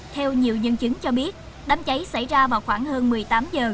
theo nhiều nhân chứng cho biết đám cháy xảy ra vào khoảng hơn một mươi tám giờ